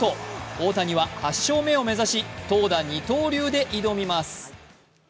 大谷は８勝目を目指し、投打二刀流で挑みます。